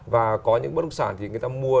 và có những bất động sản thì người ta mua